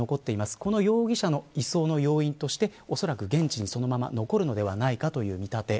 この容疑者の移送の要員としておそらく現地にそのまま残るのではないかという見立て。